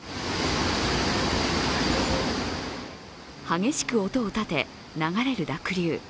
激しく音を立て流れる濁流。